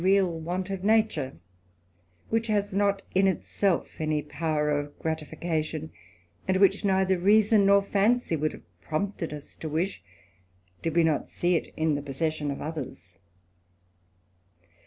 real want of nature, which has not in itself any power ^^^a gratification, and which neither reason nor fancy woul^^^^ have prompted us to wish, did we not see it in the possessioi^''^ of others.